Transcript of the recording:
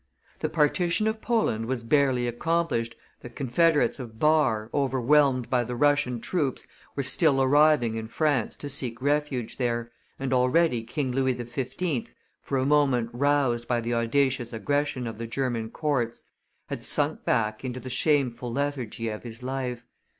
The partition of Poland was barely accomplished, the confederates of Barr, overwhelmed by the Russian troops, were still arriving in France to seek refuge there, and already King Louis XV., for a moment roused by the audacious aggression of the German courts, had sunk back into the shameful lethargy of his life.